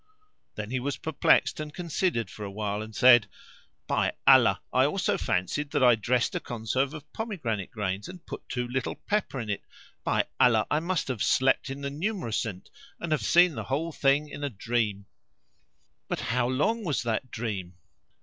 Then he was perplexed and considered for awhile, and said, "By Allah, I also fancied that I dressed a conserve of pomegranate grains and put too little pepper in it. By Allah, I must have slept in the numerocent and have seen the whole of this in a dream; but how long was that dream!"